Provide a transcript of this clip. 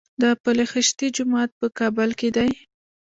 د پل خشتي جومات په کابل کې دی